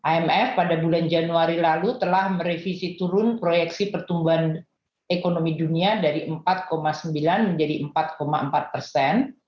imf pada bulan januari lalu telah merevisi turun proyeksi pertumbuhan ekonomi dunia dari empat sembilan menjadi empat empat persen